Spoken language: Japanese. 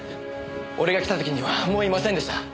俺が来た時にはもういませんでした。